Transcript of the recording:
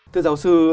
thưa giáo sư